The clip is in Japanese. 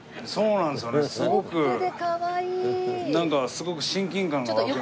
すごく親近感が湧く。